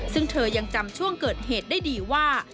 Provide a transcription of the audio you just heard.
ซึ่งเธอยังจำช่วงเกิดเหตุได้ดีว่า